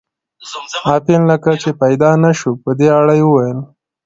اپین لکه چې پیدا نه شو، په دې اړه یې وویل.